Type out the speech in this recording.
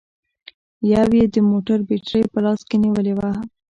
يوه يې د موټر بېټرۍ په لاس کې نيولې وه